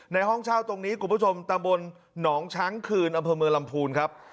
ห้องเช่าตรงนี้คุณผู้ชมตำบลหนองช้างคืนอำเภอเมืองลำพูนครับ